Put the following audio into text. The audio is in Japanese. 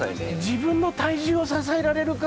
自分の体重を支えられるか。